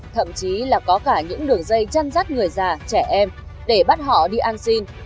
thậm chí là có cả những đường dây chân rắt người già trẻ em để bắt họ đi ăn xin